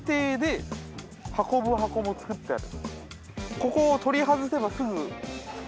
ここを取り外せば。